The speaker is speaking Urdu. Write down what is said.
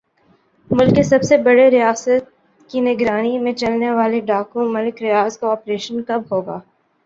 ملک کے سب سے بڑے ریاست کی نگرانی میں چلنے والے ڈاکو ملک ریاض کا آپریشن کب ھوگا